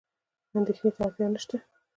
اندېښنې ته اړتیا نشته.